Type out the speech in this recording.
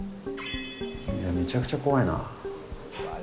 めちゃくちゃ怖いな。